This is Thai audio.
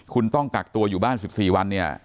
คุณต้องกักตัวอยู่บ้าน๑๔วันเนี่ย